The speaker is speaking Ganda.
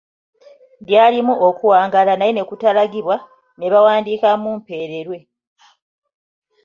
Lyalimu okuwangaala naye ne kutalagibwa ne bawandiikamu ‘Mpererwe.’